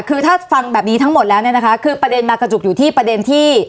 คือถ้าฟังแบบนี้ทั้งหมดแล้วเนี่ยนะคะคือประเด็นมากระจุกอยู่ที่ประเด็นที่